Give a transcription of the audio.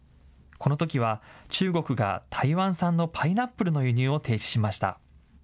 このときは、中国が台湾産のパイナップルの輸入を停止しました。